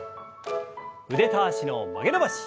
腕と脚の曲げ伸ばし。